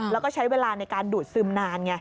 แล้วก็ใช้เวลาในการดูดซึมนานไง